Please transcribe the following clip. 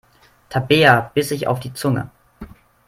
Tabea biss sich auf die Zunge.